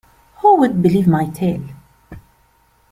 Who would believe my tale?